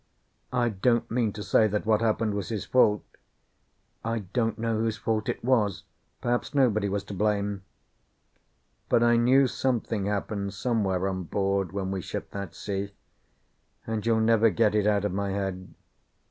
I don't mean to say that what happened was his fault. I don't know whose fault it was. Perhaps nobody was to blame. But I knew something happened somewhere on board when we shipped that sea, and you'll never get it out of my head.